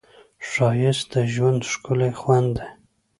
ښایست د ژوند ښکلی خوند دی